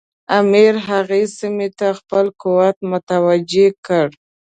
امیر هغې سیمې ته خپل قوت متوجه کړ.